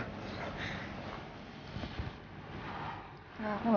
aku gak mau pulang